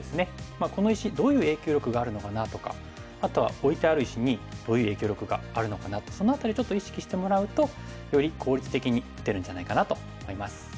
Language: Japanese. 「この石どういう影響力があるのかな？」とかあとは「置いてある石にどういう影響力があるのかな？」ってその辺りちょっと意識してもらうとより効率的に打てるんじゃないかなと思います。